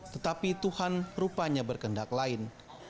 tetapi tuhan rupanya berkendak lain